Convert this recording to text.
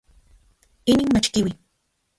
Inin nochikiui.